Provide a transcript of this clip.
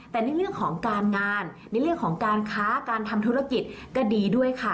แต่ในเรื่องของการงานในเรื่องของการค้าการทำธุรกิจก็ดีด้วยค่ะ